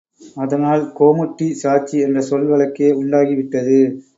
அதனால் கோமுட்டி சாட்சி என்ற சொல் வழக்கே உண்டாகி விட்டது.